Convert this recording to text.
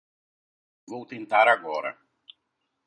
Vou tentar agora.